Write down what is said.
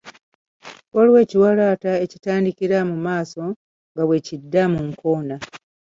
Waliwo ekiwalaata ekitandikira mu maaso nga bwe kidda ku nkoona.